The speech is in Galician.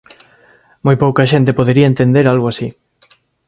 Moi pouca xente podería entender algo así.